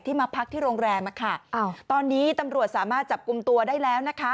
มาพักที่โรงแรมอะค่ะตอนนี้ตำรวจสามารถจับกลุ่มตัวได้แล้วนะคะ